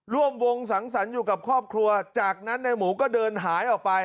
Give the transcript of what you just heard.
ร่วมวงสังสรรค์อยู่กับครอบครัวจากนั้นในหมูก็เดินหายออกไป